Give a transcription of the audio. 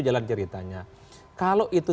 jalan ceritanya kalau itu